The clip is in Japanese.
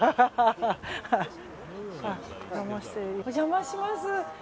お邪魔します。